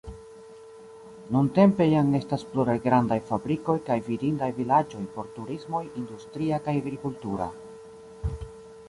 Nuntempe jam estas pluraj grandaj fabrikoj kaj vidindaj vilaĝoj por turismoj industria kaj agrikultura.